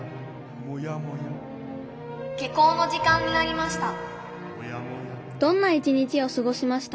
「下校の時間になりました。